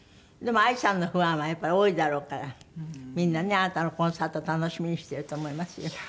でもＡＩさんのファンはやっぱり多いだろうからみんなねあなたのコンサート楽しみにしてると思いますよ。